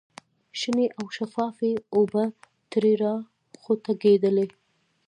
شنې او شفافې اوبه ترې را خوټکېدلې.